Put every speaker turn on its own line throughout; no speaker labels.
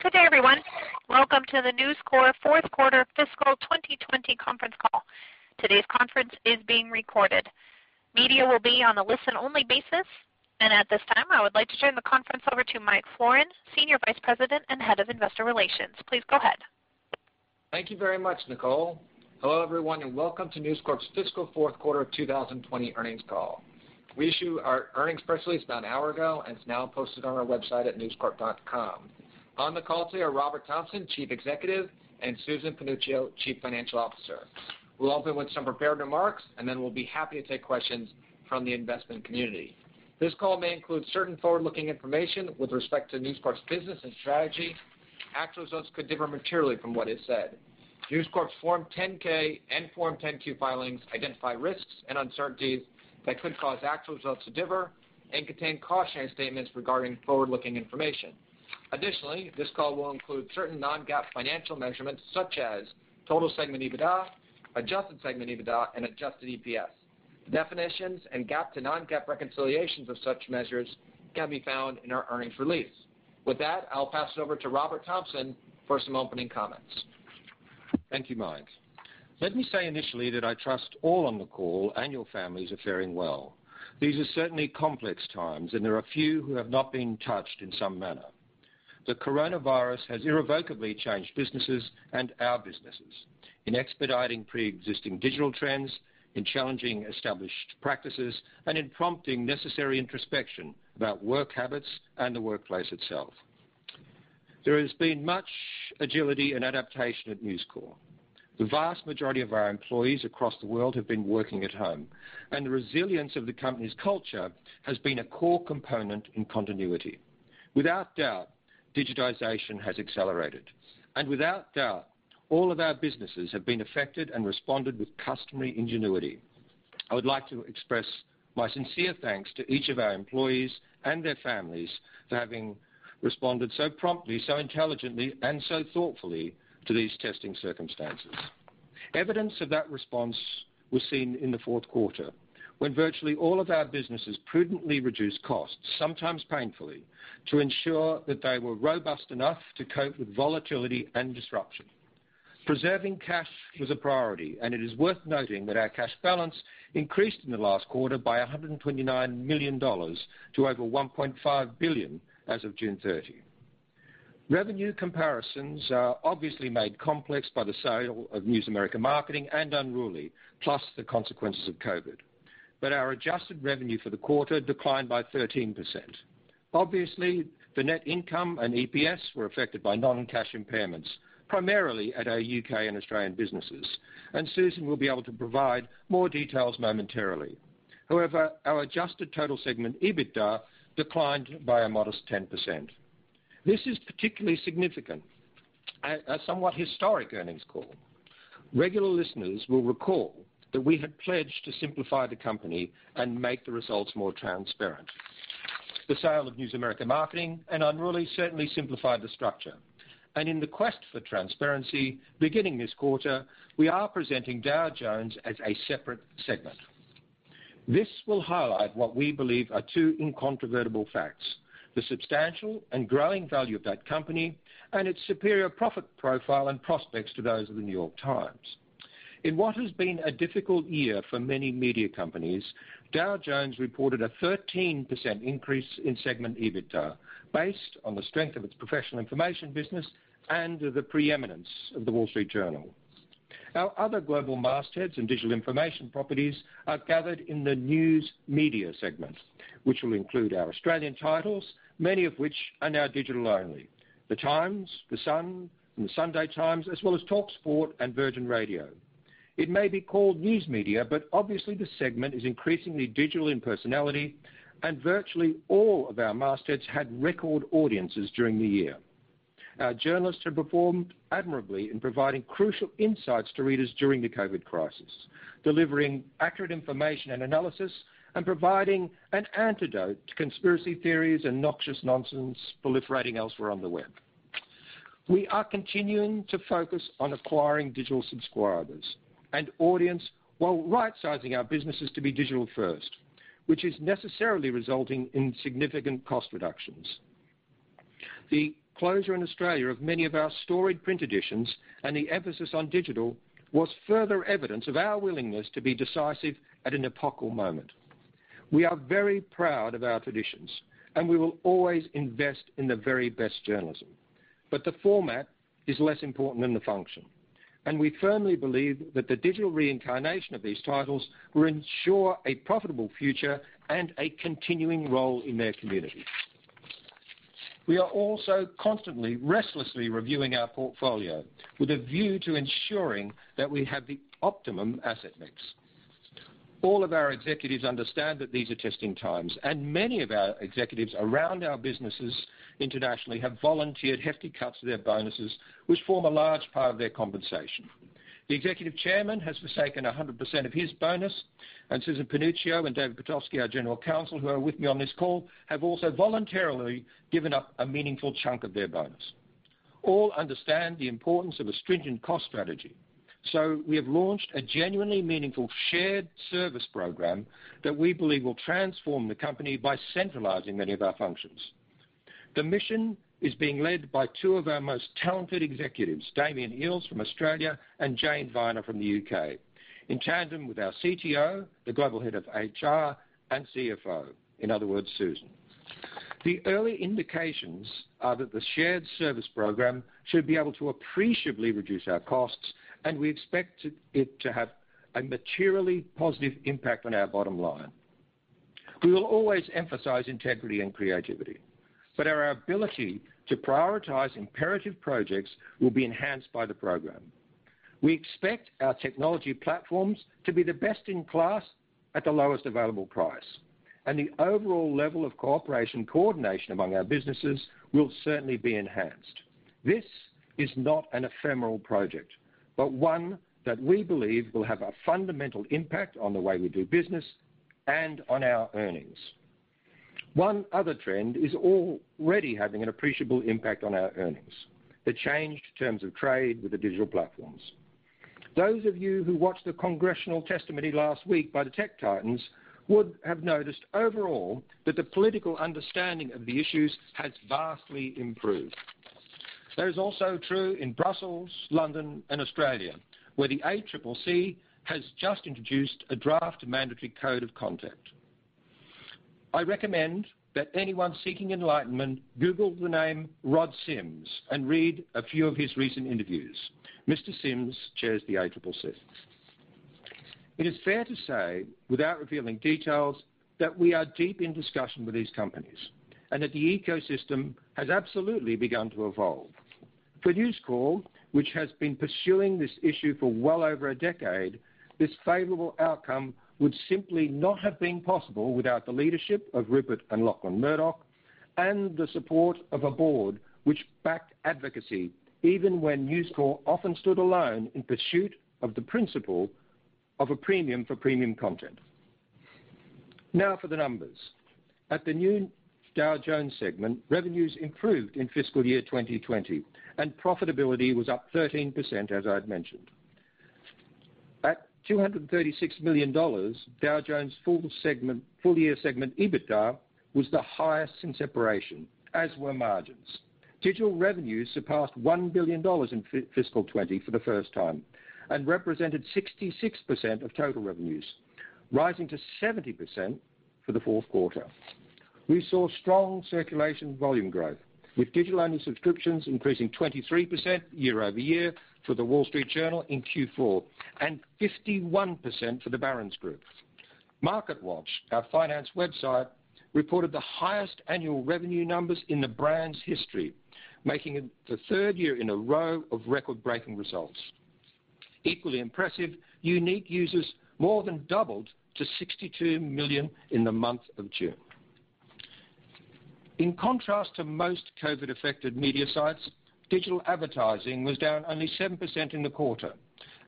Good day, everyone. Welcome to the News Corp fourth quarter fiscal 2020 conference call. Today's conference is being recorded. Media will be on a listen-only basis. At this time, I would like to turn the conference over to Mike Florin, Senior Vice President and Head of Investor Relations. Please go ahead.
Thank you very much, Nicole. Hello, everyone, and welcome to News Corp's fiscal fourth quarter of 2020 earnings call. We issued our earnings press release about an hour ago, and it's now posted on our website at newscorp.com. On the call today are Robert Thomson, Chief Executive, and Susan Panuccio, Chief Financial Officer. We'll open with some prepared remarks and then we'll be happy to take questions from the investment community. This call may include certain forward-looking information with respect to News Corp's business and strategy. Actual results could differ materially from what is said. News Corp's Form 10-K and Form 10-Q filings identify risks and uncertainties that could cause actual results to differ and contain cautionary statements regarding forward-looking information. Additionally, this call will include certain non-GAAP financial measurements such as total segment EBITDA, adjusted segment EBITDA, and adjusted EPS. Definitions and GAAP to non-GAAP reconciliations of such measures can be found in our earnings release. With that, I'll pass it over to Robert Thomson for some opening comments.
Thank you, Mike. Let me say initially that I trust all on the call and your families are faring well. These are certainly complex times, and there are few who have not been touched in some manner. The coronavirus has irrevocably changed businesses and our businesses in expediting preexisting digital trends, in challenging established practices, and in prompting necessary introspection about work habits and the workplace itself. There has been much agility and adaptation at News Corp. The vast majority of our employees across the world have been working at home, and the resilience of the company's culture has been a core component in continuity. Without doubt, digitization has accelerated, and without doubt, all of our businesses have been affected and responded with customary ingenuity. I would like to express my sincere thanks to each of our employees and their families for having responded so promptly, so intelligently, and so thoughtfully to these testing circumstances. Evidence of that response was seen in the fourth quarter when virtually all of our businesses prudently reduced costs, sometimes painfully, to ensure that they were robust enough to cope with volatility and disruption. Preserving cash was a priority, and it is worth noting that our cash balance increased in the last quarter by $129 million to over $1.5 billion as of June 30. Revenue comparisons are obviously made complex by the sale of News America Marketing and Unruly, plus the consequences of COVID, but our adjusted revenue for the quarter declined by 13%. Obviously, the net income and EPS were affected by non-cash impairments, primarily at our U.K. and Australian businesses, and Susan will be able to provide more details momentarily. However, our adjusted total segment EBITDA declined by a modest 10%. This is particularly significant at a somewhat historic earnings call. Regular listeners will recall that we had pledged to simplify the company and make the results more transparent. The sale of News America Marketing and Unruly certainly simplified the structure, and in the quest for transparency, beginning this quarter, we are presenting Dow Jones as a separate segment. This will highlight what we believe are two incontrovertible facts, the substantial and growing value of that company and its superior profit profile and prospects to those of The New York Times. In what has been a difficult year for many media companies, Dow Jones reported a 13% increase in segment EBITDA based on the strength of its professional information business and the preeminence of The Wall Street Journal. Our other global mastheads and digital information properties are gathered in the News Media segment, which will include our Australian titles, many of which are now digital only. The Times, The Sun, and The Sunday Times, as well as talkSPORT and Virgin Radio. It may be called News Media, but obviously the segment is increasingly digital in personality and virtually all of our mastheads had record audiences during the year. Our journalists have performed admirably in providing crucial insights to readers during the COVID crisis, delivering accurate information and analysis, and providing an antidote to conspiracy theories and noxious nonsense proliferating elsewhere on the web. We are continuing to focus on acquiring digital subscribers and audience while right-sizing our businesses to be digital first, which is necessarily resulting in significant cost reductions. The closure in Australia of many of our storied print editions and the emphasis on digital was further evidence of our willingness to be decisive at an epochal moment. We are very proud of our traditions, and we will always invest in the very best journalism. The format is less important than the function, and we firmly believe that the digital reincarnation of these titles will ensure a profitable future and a continuing role in their community. We are also constantly, restlessly reviewing our portfolio with a view to ensuring that we have the optimum asset mix. All of our executives understand that these are testing times, and many of our executives around our businesses internationally have volunteered hefty cuts to their bonuses, which form a large part of their compensation. The executive chairman has forsaken 100% of his bonus, and Susan Panuccio and David Pitofsky, our general counsel, who are with me on this call, have also voluntarily given up a meaningful chunk of their bonus. All understand the importance of a stringent cost strategy. We have launched a genuinely meaningful shared service program that we believe will transform the company by centralizing many of our functions. The mission is being led by two of our most talented executives, Damian Eales from Australia and Jane Viner from the U.K., in tandem with our CTO, the global head of HR, and CFO, in other words, Susan. The early indications are that the shared service program should be able to appreciably reduce our costs, and we expect it to have a materially positive impact on our bottom line. We will always emphasize integrity and creativity, but our ability to prioritize imperative projects will be enhanced by the program. We expect our technology platforms to be the best in class at the lowest available price, and the overall level of cooperation, coordination among our businesses will certainly be enhanced. This is not an ephemeral project, but one that we believe will have a fundamental impact on the way we do business and on our earnings. One other trend is already having an appreciable impact on our earnings, the changed terms of trade with the digital platforms. Those of you who watched the congressional testimony last week by the tech titans would have noticed overall that the political understanding of the issues has vastly improved. That is also true in Brussels, London, and Australia, where the ACCC has just introduced a draft mandatory code of conduct. I recommend that anyone seeking enlightenment Google the name Rod Sims and read a few of his recent interviews. Mr. Sims chairs the ACCC. It is fair to say, without revealing details, that we are deep in discussion with these companies and that the ecosystem has absolutely begun to evolve. For News Corp, which has been pursuing this issue for well over a decade, this favorable outcome would simply not have been possible without the leadership of Rupert and Lachlan Murdoch and the support of a board which backed advocacy even when News Corp often stood alone in pursuit of the principle of a premium for premium content. Now for the numbers. At the new Dow Jones segment, revenues improved in fiscal year 2020, and profitability was up 13%, as I've mentioned. At $236 million, Dow Jones' full year segment EBITDA was the highest since separation, as were margins. Digital revenues surpassed $1 billion in fiscal 2020 for the first time and represented 66% of total revenues, rising to 70% for the fourth quarter. We saw strong circulation volume growth, with digital-only subscriptions increasing 23% year-over-year for The Wall Street Journal in Q4, and 51% for the Barron's Group. MarketWatch, our finance website, reported the highest annual revenue numbers in the brand's history, making it the third year in a row of record-breaking results. Equally impressive, unique users more than doubled to 62 million in the month of June. In contrast to most COVID-affected media sites, digital advertising was down only 7% in the quarter,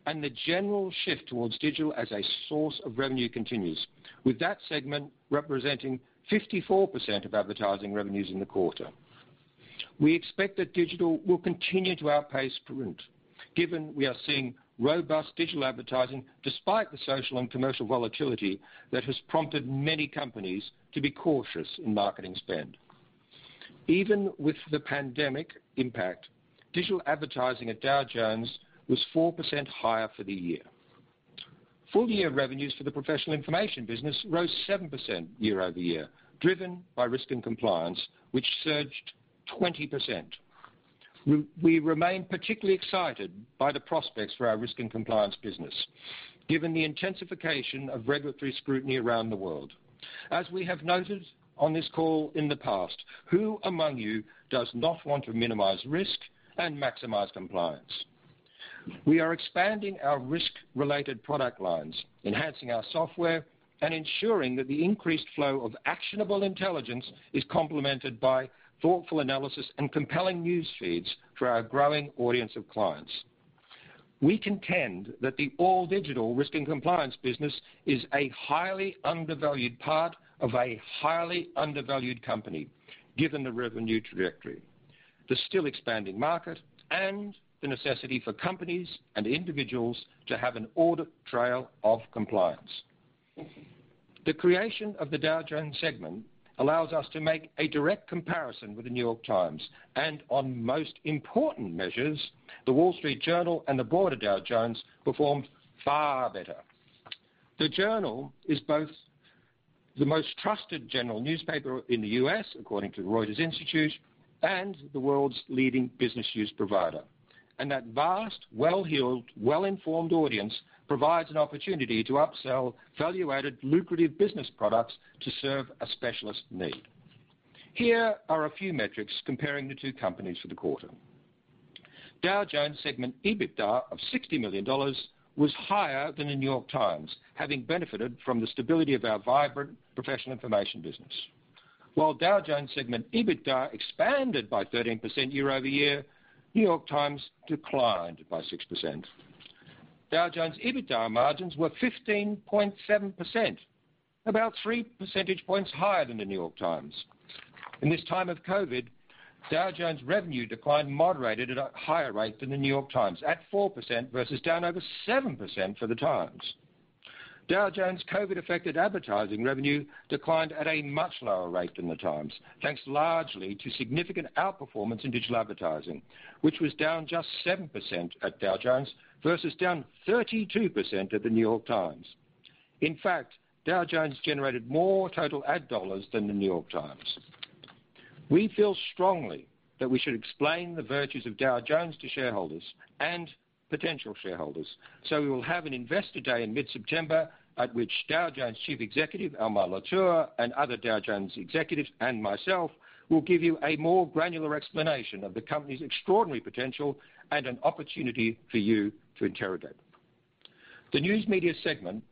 and the general shift towards digital as a source of revenue continues, with that segment representing 54% of advertising revenues in the quarter. We expect that digital will continue to outpace print, given we are seeing robust digital advertising despite the social and commercial volatility that has prompted many companies to be cautious in marketing spend. Even with the pandemic impact, digital advertising at Dow Jones was 4% higher for the year. Full-year revenues for the professional information business rose 7% year-over-year, driven by Risk and Compliance, which surged 20%. We remain particularly excited by the prospects for our Risk and Compliance business, given the intensification of regulatory scrutiny around the world. As we have noted on this call in the past, who among you does not want to minimize risk and maximize compliance? We are expanding our risk-related product lines, enhancing our software, and ensuring that the increased flow of actionable intelligence is complemented by thoughtful analysis and compelling newsfeeds for our growing audience of clients. We contend that the all-digital Risk and Compliance business is a highly undervalued part of a highly undervalued company, given the revenue trajectory, the still-expanding market, and the necessity for companies and individuals to have an audit trail of compliance. The creation of the Dow Jones segment allows us to make a direct comparison with The New York Times, and on most important measures, The Wall Street Journal and the broader Dow Jones performed far better. The Journal is both the most trusted general newspaper in the U.S., according to Reuters Institute, and the world's leading business news provider. That vast, well-heeled, well-informed audience provides an opportunity to upsell value-added, lucrative business products to serve a specialist need. Here are a few metrics comparing the two companies for the quarter. Dow Jones segment EBITDA of $60 million was higher than The New York Times, having benefited from the stability of our vibrant professional information business. Dow Jones segment EBITDA expanded by 13% year-over-year, The New York Times declined by 6%. Dow Jones' EBITDA margins were 15.7%. About three percentage points higher than The New York Times. In this time of COVID-19, Dow Jones' revenue decline moderated at a higher rate than The New York Times, at 4% versus down over 7% for the Times. Dow Jones' COVID-19-affected advertising revenue declined at a much lower rate than the Times, thanks largely to significant outperformance in digital advertising, which was down just 7% at Dow Jones versus down 32% at The New York Times. In fact, Dow Jones generated more total ad dollars than The New York Times. We feel strongly that we should explain the virtues of Dow Jones to shareholders and potential shareholders. We will have an investor day in mid-September at which Dow Jones' chief executive, Almar Latour, and other Dow Jones executives and myself will give you a more granular explanation of the company's extraordinary potential and an opportunity for you to interrogate. The News Media segment,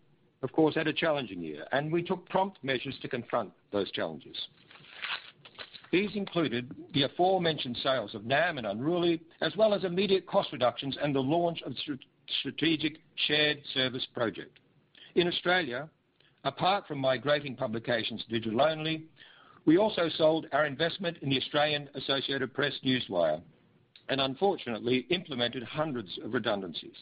of course, had a challenging year. We took prompt measures to confront those challenges. These included the aforementioned sales of NAM and Unruly, as well as immediate cost reductions and the launch of strategic shared service project. In Australia, apart from migrating publications digital only, we also sold our investment in the Australian Associated Press. Unfortunately, implemented hundreds of redundancies.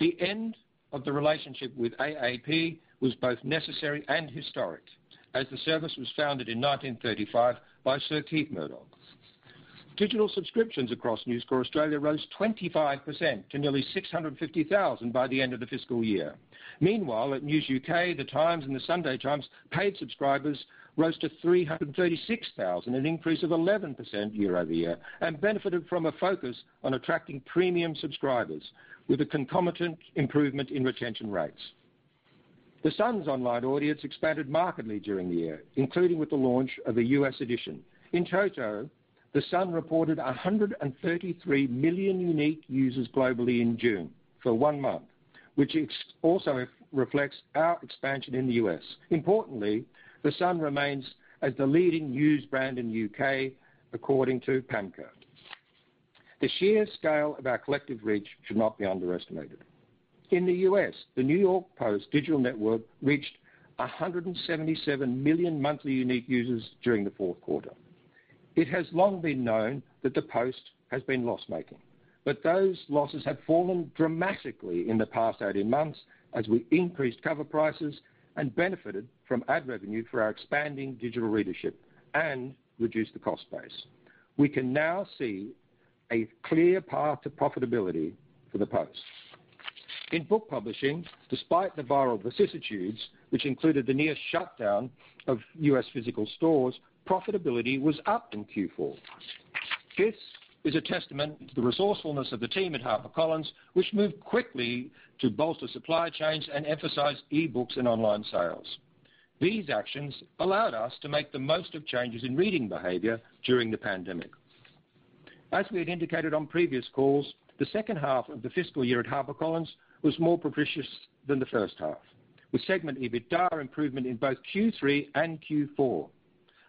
The end of the relationship with AAP was both necessary and historic, as the service was founded in 1935 by Sir Keith Murdoch. Digital subscriptions across News Corp Australia rose 25% to nearly 650,000 by the end of the fiscal year. At News UK, The Times and The Sunday Times paid subscribers rose to 336,000, an increase of 11% year-over-year, and benefited from a focus on attracting premium subscribers with a concomitant improvement in retention rates. The Sun's online audience expanded markedly during the year, including with the launch of a U.S. edition. In total, The Sun reported 133 million unique users globally in June for one month, which also reflects our expansion in the U.S. Importantly, The Sun remains as the leading news brand in the U.K., according to PAMCo. The sheer scale of our collective reach should not be underestimated. In the U.S., the New York Post digital network reached 177 million monthly unique users during the fourth quarter. It has long been known that the Post has been loss-making, but those losses have fallen dramatically in the past 18 months as we increased cover prices and benefited from ad revenue through our expanding digital readership and reduced the cost base. We can now see a clear path to profitability for the Post. In book publishing, despite the viral vicissitudes, which included the near shutdown of U.S. physical stores, profitability was up in Q4. This is a testament to the resourcefulness of the team at HarperCollins, which moved quickly to bolster supply chains and emphasize e-books and online sales. These actions allowed us to make the most of changes in reading behavior during the pandemic. As we had indicated on previous calls, the second half of the fiscal year at HarperCollins was more propitious than the first half, with segment EBITDA improvement in both Q3 and Q4.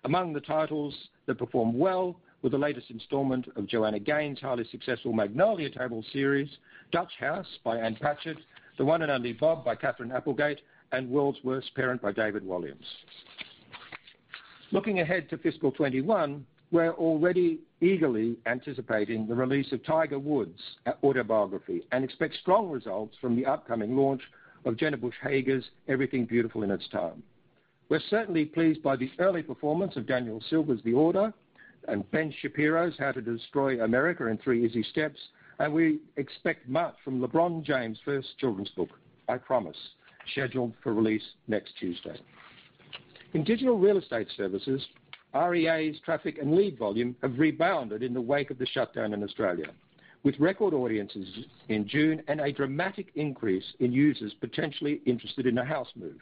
Among the titles that performed well were the latest installment of Joanna Gaines' highly successful Magnolia Table series, The Dutch House by Ann Patchett, The One and Only Bob by Katherine Applegate, and The World's Worst Parents by David Walliams. Looking ahead to fiscal 2021, we're already eagerly anticipating the release of Tiger Woods' autobiography and expect strong results from the upcoming launch of Jenna Bush Hager's Everything Beautiful in Its Time. We're certainly pleased by the early performance of Daniel Silva's The Order and Ben Shapiro's How to Destroy America in Three Easy Steps, and we expect much from LeBron James' first children's book, I Promise, scheduled for release next Tuesday. In digital real estate services, REA's traffic and lead volume have rebounded in the wake of the shutdown in Australia, with record audiences in June and a dramatic increase in users potentially interested in a house move.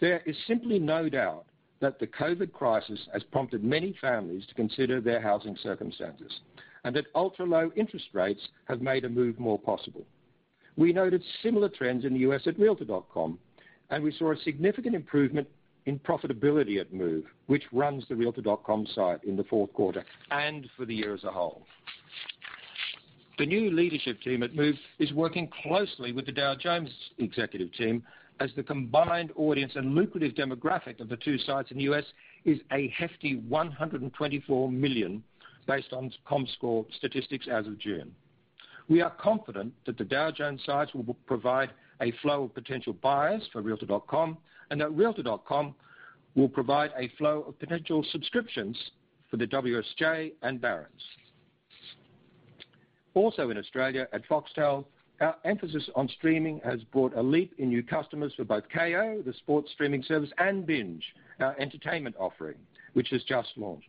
There is simply no doubt that the COVID crisis has prompted many families to consider their housing circumstances, and that ultra-low interest rates have made a move more possible. We noted similar trends in the U.S. at realtor.com, and we saw a significant improvement in profitability at Move, which runs the realtor.com site in the fourth quarter and for the year as a whole. The new leadership team at Move is working closely with the Dow Jones executive team as the combined audience and lucrative demographic of the two sites in the U.S. is a hefty 124 million based on Comscore statistics as of June. We are confident that the Dow Jones sites will provide a flow of potential buyers for realtor.com and that realtor.com will provide a flow of potential subscriptions for the WSJ and Barron's. In Australia at Foxtel, our emphasis on streaming has brought a leap in new customers for both Kayo, the sports streaming service, and BINGE, our entertainment offering, which has just launched.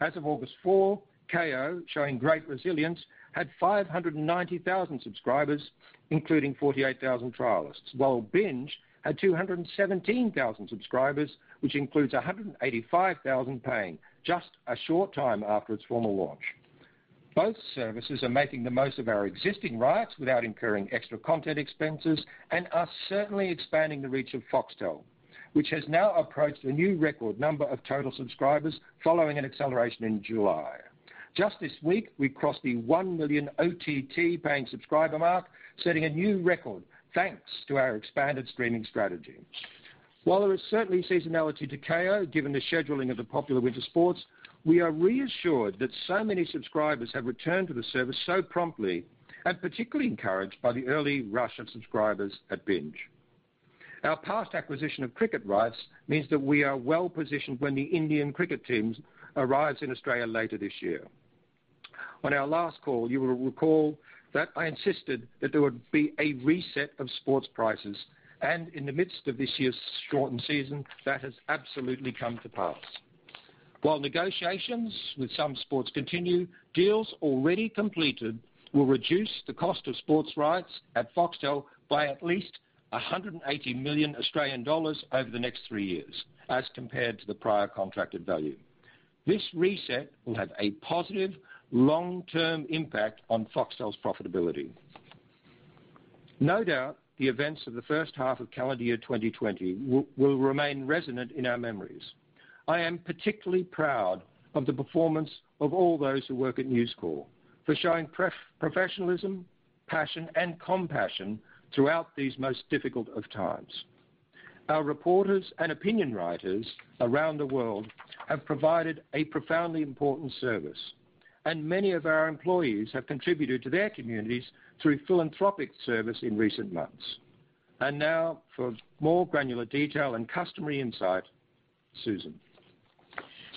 As of August 4, Kayo, showing great resilience, had 590,000 subscribers, including 48,000 trialists, while BINGE had 217,000 subscribers, which includes 185,000 paying just a short time after its formal launch. Both services are making the most of our existing rights without incurring extra content expenses and are certainly expanding the reach of Foxtel, which has now approached a new record number of total subscribers following an acceleration in July. Just this week, we crossed the 1 million OTT paying subscriber mark, setting a new record thanks to our expanded streaming strategy. While there is certainly seasonality to Kayo, given the scheduling of the popular winter sports, we are reassured that so many subscribers have returned to the service so promptly, and particularly encouraged by the early rush of subscribers at BINGE. Our past acquisition of cricket rights means that we are well-positioned when the Indian cricket teams arrives in Australia later this year. On our last call, you will recall that I insisted that there would be a reset of sports prices, and in the midst of this year's shortened season, that has absolutely come to pass. While negotiations with some sports continue, deals already completed will reduce the cost of sports rights at Foxtel by at least 180 million Australian dollars over the next three years as compared to the prior contracted value. This reset will have a positive long-term impact on Foxtel's profitability. No doubt the events of the first half of calendar year 2020 will remain resonant in our memories. I am particularly proud of the performance of all those who work at News Corp, for showing professionalism, passion and compassion throughout these most difficult of times. Our reporters and opinion writers around the world have provided a profoundly important service, and many of our employees have contributed to their communities through philanthropic service in recent months. Now for more granular detail and customary insight, Susan.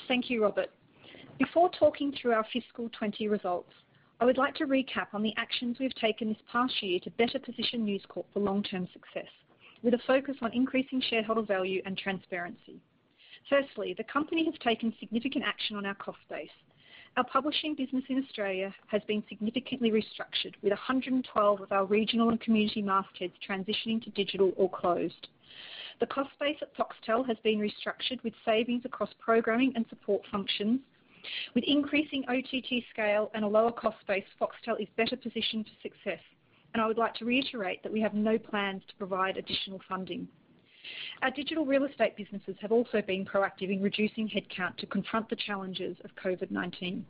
Thank you, Robert. Before talking through our fiscal 2020 results, I would like to recap on the actions we've taken this past year to better position News Corp for long-term success, with a focus on increasing shareholder value and transparency. Firstly, the company has taken significant action on our cost base. Our publishing business in Australia has been significantly restructured, with 112 of our regional and community mastheads transitioning to digital or closed. The cost base at Foxtel has been restructured, with savings across programming and support functions. With increasing OTT scale and a lower cost base, Foxtel is better positioned to success, and I would like to reiterate that we have no plans to provide additional funding. Our digital real estate businesses have also been proactive in reducing headcount to confront the challenges of COVID-19.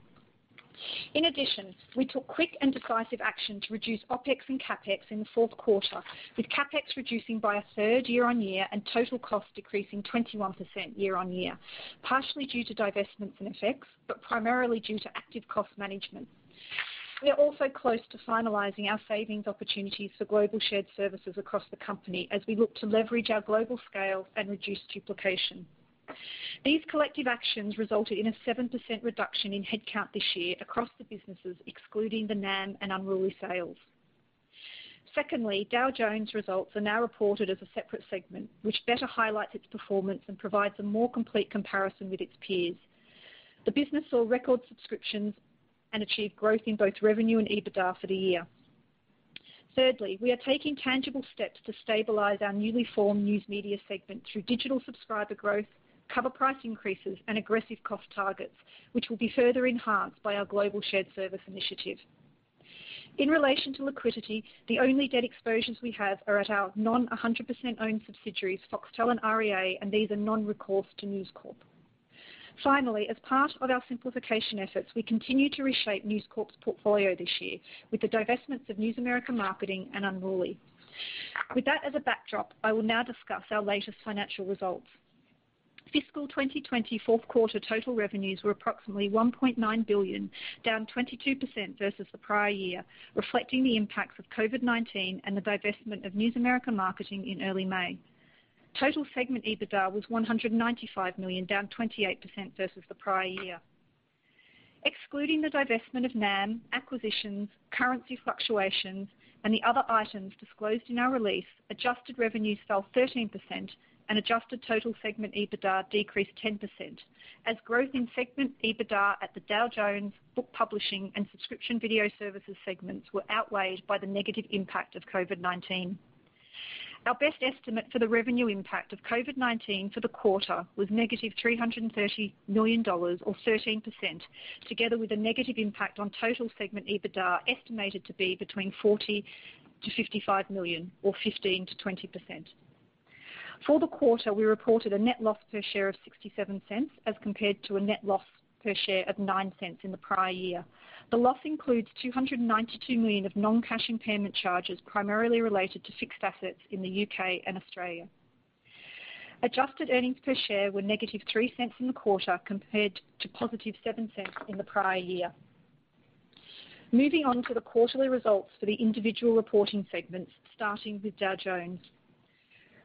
In addition, we took quick and decisive action to reduce OpEx and CapEx in the fourth quarter, with CapEx reducing by a third year-on-year and total cost decreasing 21% year-on-year, partially due to divestments and FX, but primarily due to active cost management. We are also close to finalizing our savings opportunities for global shared services across the company as we look to leverage our global scale and reduce duplication. These collective actions resulted in a 7% reduction in headcount this year across the businesses, excluding the NAM and Unruly sales. Secondly, Dow Jones results are now reported as a separate segment, which better highlights its performance and provides a more complete comparison with its peers. The business saw record subscriptions and achieved growth in both revenue and EBITDA for the year. Thirdly, we are taking tangible steps to stabilize our newly formed News Media segment through digital subscriber growth, cover price increases, and aggressive cost targets, which will be further enhanced by our global shared service initiative. In relation to liquidity, the only debt exposures we have are at our non-100%-owned subsidiaries, Foxtel and REA, and these are non-recourse to News Corp. Finally, as part of our simplification efforts, we continue to reshape News Corp's portfolio this year with the divestments of News America Marketing and Unruly. With that as a backdrop, I will now discuss our latest financial results. Fiscal 2020 fourth quarter total revenues were approximately $1.9 billion, down 22% versus the prior year, reflecting the impacts of COVID-19 and the divestment of News America Marketing in early May. Total segment EBITDA was $195 million, down 28% versus the prior year. Excluding the divestment of NAM, acquisitions, currency fluctuations, and the other items disclosed in our release, adjusted revenues fell 13% and adjusted total segment EBITDA decreased 10%, as growth in segment EBITDA at the Dow Jones, Book Publishing, and Subscription Video Services segments were outweighed by the negative impact of COVID-19. Our best estimate for the revenue impact of COVID-19 for the quarter was negative $330 million, or 13%, together with a negative impact on total segment EBITDA, estimated to be between $40 million-$55 million or 15%-20%. For the quarter, we reported a net loss per share of $0.67 as compared to a net loss per share of $0.09 in the prior year. The loss includes $292 million of non-cash impairment charges, primarily related to fixed assets in the U.K. and Australia. Adjusted earnings per share were -$0.03 in the quarter, compared to $0.07 in the prior year. Moving on to the quarterly results for the individual reporting segments, starting with Dow Jones.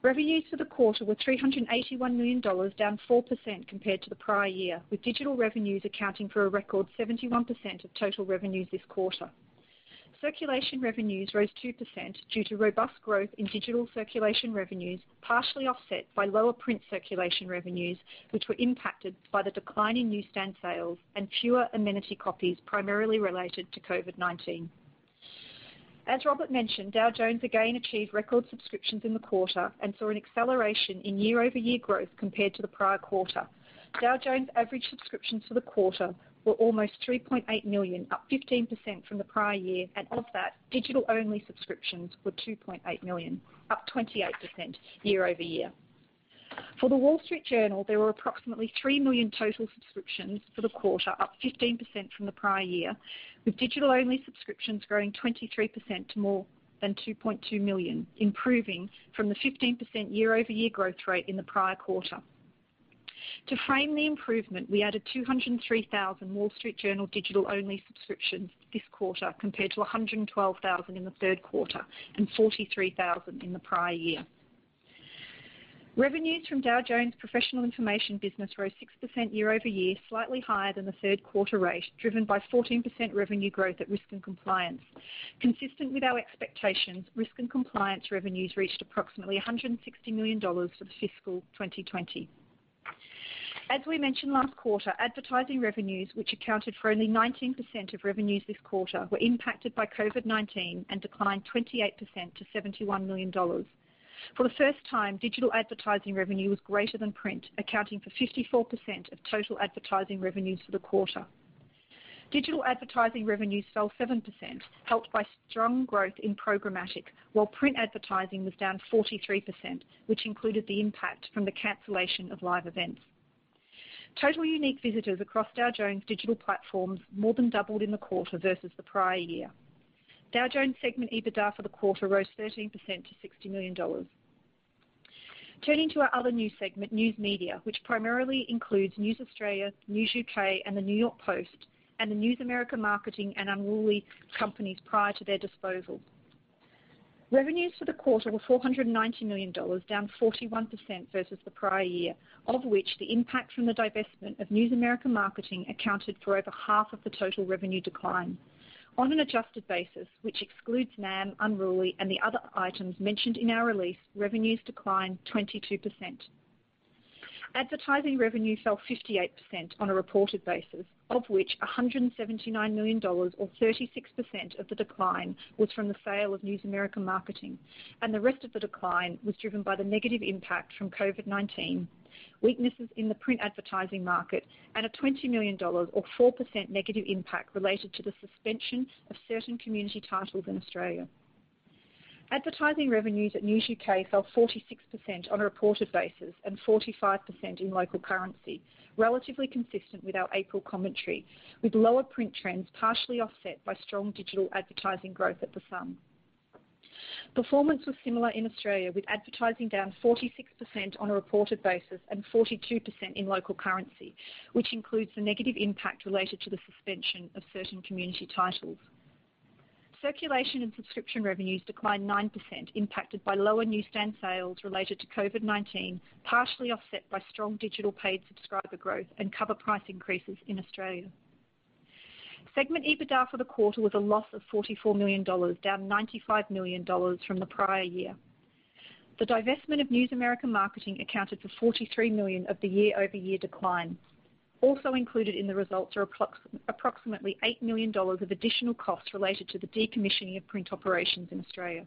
Revenues for the quarter were $381 million, down 4% compared to the prior year, with digital revenues accounting for a record 71% of total revenues this quarter. Circulation revenues rose 2% due to robust growth in digital circulation revenues, partially offset by lower print circulation revenues, which were impacted by the decline in newsstand sales and fewer amenity copies primarily related to COVID-19. As Robert mentioned, Dow Jones again achieved record subscriptions in the quarter and saw an acceleration in year-over-year growth compared to the prior quarter. Dow Jones' average subscriptions for the quarter were almost 3.8 million, up 15% from the prior year, and of that, digital-only subscriptions were 2.8 million, up 28% year-over-year. For The Wall Street Journal, there were approximately 3 million total subscriptions for the quarter, up 15% from the prior year, with digital-only subscriptions growing 23% to more than 2.2 million, improving from the 15% year-over-year growth rate in the prior quarter. To frame the improvement, we added 203,000 Wall Street Journal digital-only subscriptions this quarter, compared to 112,000 in the third quarter and 43,000 in the prior year. Revenues from Dow Jones Professional Information business rose 6% year-over-year, slightly higher than the third quarter rate, driven by 14% revenue growth at Risk and Compliance. Consistent with our expectations, Risk and Compliance revenues reached approximately $160 million for the fiscal 2020. As we mentioned last quarter, advertising revenues, which accounted for only 19% of revenues this quarter, were impacted by COVID-19 and declined 28% to $71 million. For the first time, digital advertising revenue was greater than print, accounting for 54% of total advertising revenues for the quarter. Digital advertising revenues fell 7%, helped by strong growth in programmatic, while print advertising was down 43%, which included the impact from the cancellation of live events. Total unique visitors across Dow Jones' digital platforms more than doubled in the quarter versus the prior year. Dow Jones segment EBITDA for the quarter rose 13% to $60 million. Turning to our other new segment, News Media, which primarily includes News Australia, News UK, and the New York Post, and the News America Marketing and Unruly companies prior to their disposal. Revenues for the quarter were $490 million, down 41% versus the prior year, of which the impact from the divestment of News America Marketing accounted for over half of the total revenue decline. On an adjusted basis, which excludes NAM, Unruly, and the other items mentioned in our release, revenues declined 22%. Advertising revenue fell 58% on a reported basis, of which $179 million or 36% of the decline was from the sale of News America Marketing. The rest of the decline was driven by the negative impact from COVID-19, weaknesses in the print advertising market, and a $20 million or 4% negative impact related to the suspension of certain community titles in Australia. Advertising revenues at News UK fell 46% on a reported basis and 45% in local currency, relatively consistent with our April commentary, with lower print trends partially offset by strong digital advertising growth at The Sun. Performance was similar in Australia, with advertising down 46% on a reported basis and 42% in local currency, which includes the negative impact related to the suspension of certain community titles. Circulation and subscription revenues declined 9%, impacted by lower newsstand sales related to COVID-19, partially offset by strong digital paid subscriber growth and cover price increases in Australia. Segment EBITDA for the quarter was a loss of $44 million, down $95 million from the prior year. The divestment of News America Marketing accounted for $43 million of the year-over-year decline. Also included in the results are approximately $8 million of additional costs related to the decommissioning of print operations in Australia.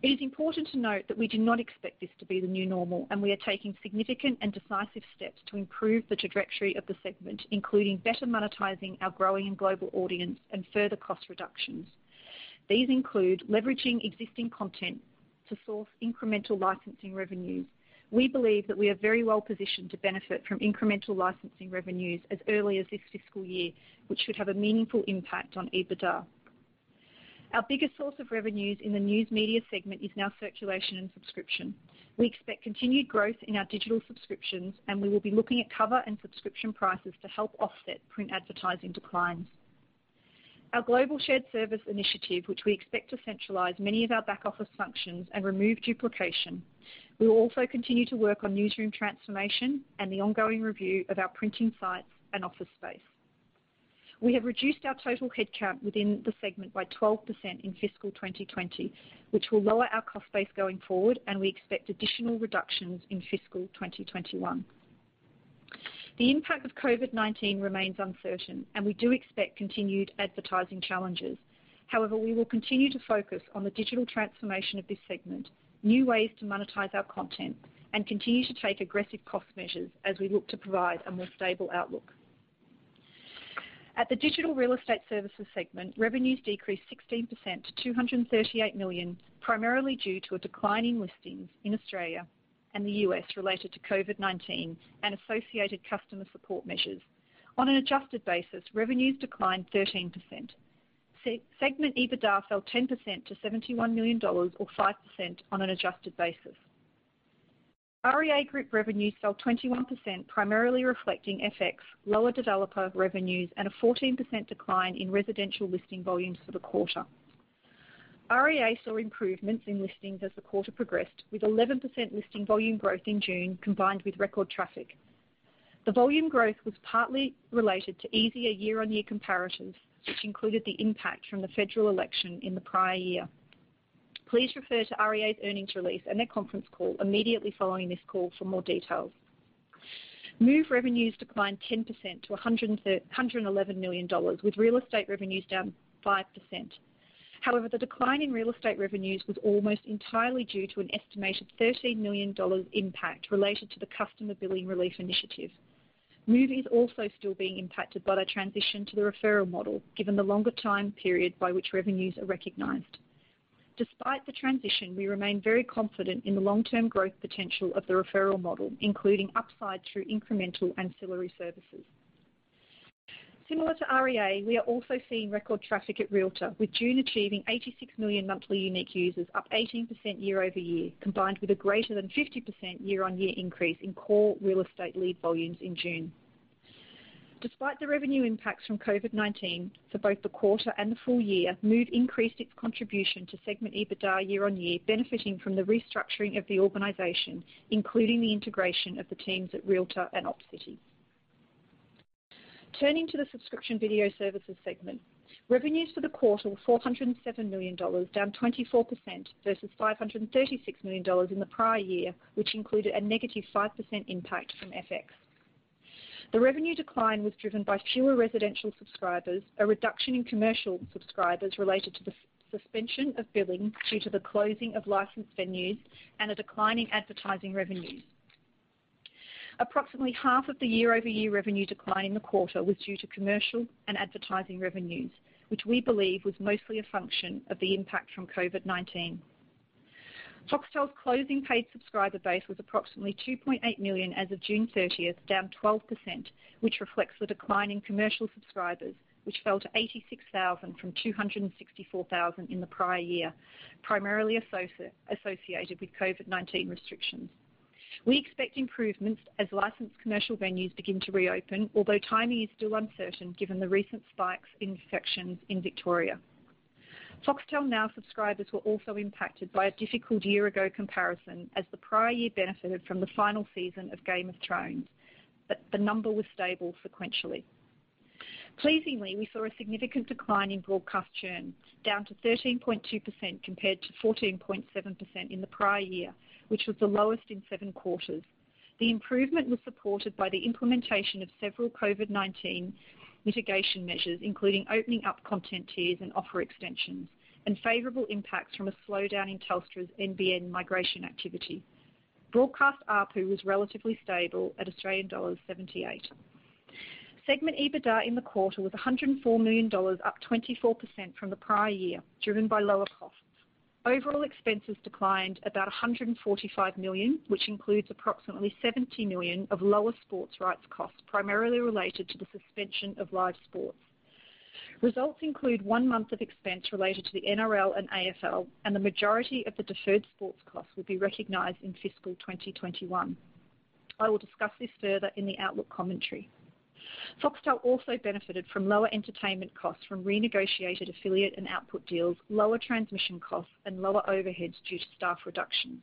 It is important to note that we do not expect this to be the new normal, and we are taking significant and decisive steps to improve the trajectory of the News Media segment, including better monetizing our growing and global audience and further cost reductions. These include leveraging existing content to source incremental licensing revenues. We believe that we are very well-positioned to benefit from incremental licensing revenues as early as this fiscal year, which should have a meaningful impact on EBITDA. Our biggest source of revenues in the News Media segment is now circulation and subscription. We expect continued growth in our digital subscriptions, and we will be looking at cover and subscription prices to help offset print advertising declines. Our global shared service initiative, which we expect to centralize many of our back-office functions and remove duplication. We will also continue to work on newsroom transformation and the ongoing review of our printing sites and office space. We have reduced our total headcount within the segment by 12% in fiscal 2020, which will lower our cost base going forward, and we expect additional reductions in fiscal 2021. The impact of COVID-19 remains uncertain. We do expect continued advertising challenges. We will continue to focus on the digital transformation of this segment, new ways to monetize our content, and continue to take aggressive cost measures as we look to provide a more stable outlook. At the Digital Real Estate Services segment, revenues decreased 16% to $238 million, primarily due to a decline in listings in Australia and the U.S. related to COVID-19 and associated customer support measures. On an adjusted basis, revenues declined 13%. Segment EBITDA fell 10% to 71 million dollars or 5% on an adjusted basis. REA Group revenue fell 21%, primarily reflecting FX, lower developer revenues, and a 14% decline in residential listing volumes for the quarter. REA saw improvements in listings as the quarter progressed, with 11% listing volume growth in June combined with record traffic. The volume growth was partly related to easier year-on-year comparisons, which included the impact from the federal election in the prior year. Please refer to REA's earnings release and their conference call immediately following this call for more details. Move revenues declined 10% to 111 million dollars, with real estate revenues down 5%. However, the decline in real estate revenues was almost entirely due to an estimated 30 million dollars impact related to the customer billing relief initiative. Move is also still being impacted by the transition to the referral model, given the longer time period by which revenues are recognized. Despite the transition, we remain very confident in the long-term growth potential of the referral model, including upside through incremental ancillary services. Similar to REA, we are also seeing record traffic at Realtor, with June achieving 86 million monthly unique users, up 18% year-over-year, combined with a greater than 50% year-on-year increase in core real estate lead volumes in June. Despite the revenue impacts from COVID-19 for both the quarter and the full year, Move increased its contribution to segment EBITDA year-on-year, benefiting from the restructuring of the organization, including the integration of the teams at Realtor and Opcity. Turning to the subscription video services segment. Revenues for the quarter were 407 million dollars, down 24%, versus 536 million dollars in the prior year, which included a negative 5% impact from FX. The revenue decline was driven by fewer residential subscribers, a reduction in commercial subscribers related to the suspension of billing due to the closing of licensed venues, and a decline in advertising revenues. Approximately half of the year-over-year revenue decline in the quarter was due to commercial and advertising revenues, which we believe was mostly a function of the impact from COVID-19. Foxtel's closing paid subscriber base was approximately 2.8 million as of June 30th, down 12%, which reflects the decline in commercial subscribers, which fell to 86,000 from 264,000 in the prior year, primarily associated with COVID-19 restrictions. We expect improvements as licensed commercial venues begin to reopen, although timing is still uncertain given the recent spikes in infections in Victoria. Foxtel Now subscribers were also impacted by a difficult year-ago comparison as the prior year benefited from the final season of "Game of Thrones," but the number was stable sequentially. Pleasingly, we saw a significant decline in broadcast churn, down to 13.2% compared to 14.7% in the prior year, which was the lowest in 7 quarters. The improvement was supported by the implementation of several COVID-19 mitigation measures, including opening up content tiers and offer extensions and favorable impacts from a slowdown in Telstra's NBN migration activity. Broadcast ARPU was relatively stable at Australian dollars 78. Segment EBITDA in the quarter was $104 million, up 24% from the prior year, driven by lower costs. Overall expenses declined about $145 million, which includes approximately $70 million of lower sports rights costs, primarily related to the suspension of live sports. Results include one month of expense related to the NRL and AFL, and the majority of the deferred sports costs will be recognized in fiscal 2021. I will discuss this further in the outlook commentary. Foxtel also benefited from lower entertainment costs from renegotiated affiliate and output deals, lower transmission costs, and lower overheads due to staff reductions.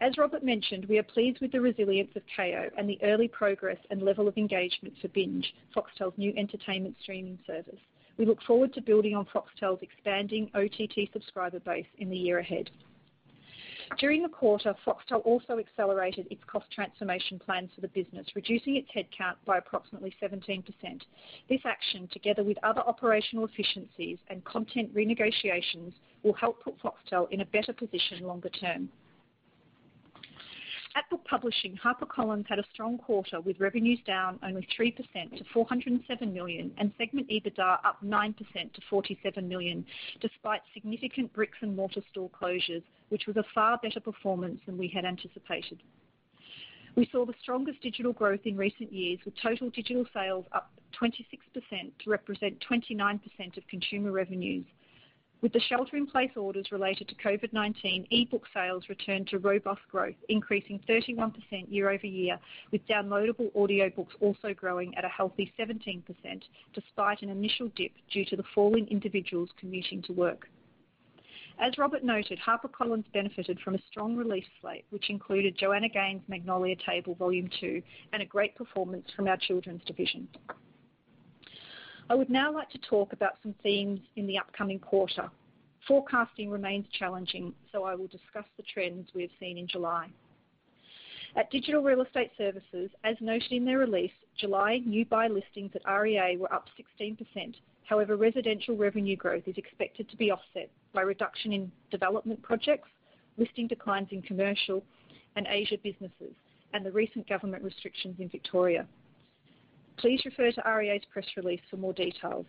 As Robert mentioned, we are pleased with the resilience of Kayo and the early progress and level of engagement for BINGE, Foxtel's new entertainment streaming service. We look forward to building on Foxtel's expanding OTT subscriber base in the year ahead. During the quarter, Foxtel also accelerated its cost transformation plans for the business, reducing its headcount by approximately 17%. This action, together with other operational efficiencies and content renegotiations, will help put Foxtel in a better position longer term. At Book Publishing, HarperCollins had a strong quarter with revenues down only 3% to $407 million and segment EBITDA up 9% to $47 million, despite significant bricks and mortar store closures, which was a far better performance than we had anticipated. We saw the strongest digital growth in recent years, with total digital sales up 26% to represent 29% of consumer revenues. With the shelter-in-place orders related to COVID-19, e-book sales returned to robust growth, increasing 31% year-over-year, with downloadable audiobooks also growing at a healthy 17%, despite an initial dip due to the fall in individuals commuting to work. As Robert noted, HarperCollins benefited from a strong release slate, which included Joanna Gaines' "Magnolia Table, Volume 2," and a great performance from our children's division. I would now like to talk about some themes in the upcoming quarter. Forecasting remains challenging, so I will discuss the trends we have seen in July. At Digital Real Estate Services, as noted in their release, July new buy listings at REA were up 16%. However, residential revenue growth is expected to be offset by a reduction in development projects, listing declines in commercial and Asia businesses, and the recent government restrictions in Victoria. Please refer to REA's press release for more details.